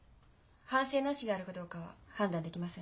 反省の意思があるかどうかは判断できません。